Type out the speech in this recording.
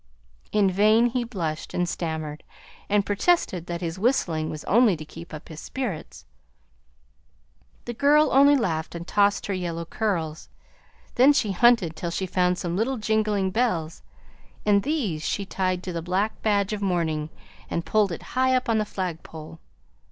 In vain he blushed and stammered, and protested that his whistling was only to keep up his spirits. The girl only laughed and tossed her yellow curls; then she hunted till she found some little jingling bells, and these she tied to the black badge of mourning and pulled it high up on the flagpole.